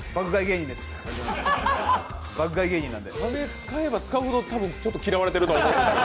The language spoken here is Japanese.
金使えば使うほどちょっと嫌われてると思うけど。